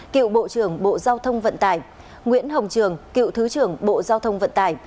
cựu bộ trưởng bộ giao thông vận tải nguyễn hồng trường cựu thứ trưởng bộ giao thông vận tải